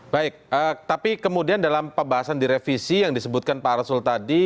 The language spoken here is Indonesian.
baik tapi kemudian dalam pembahasan di revisi yang disebutkan pak rasul tadi